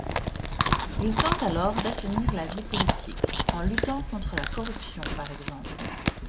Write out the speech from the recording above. Il tente alors d'assainir la vie politique, en luttant contre la corruption par exemple.